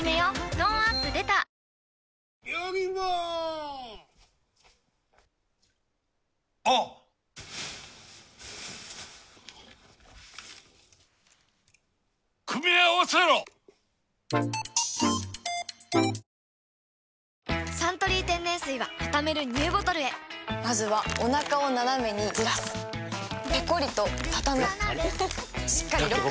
トーンアップ出た「サントリー天然水」はたためるＮＥＷボトルへまずはおなかをナナメにずらすペコリ！とたたむしっかりロック！